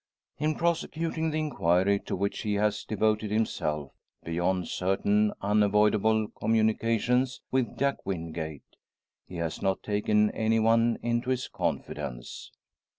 In prosecuting the inquiry to which he has devoted himself, beyond certain unavoidable communications with Jack Wingate, he has not taken any one into his confidence.